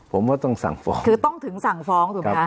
ผมว่าต้องสั่งฟ้องคือต้องถึงสั่งฟ้องถูกไหมคะ